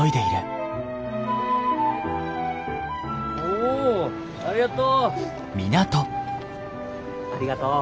おおありがとう。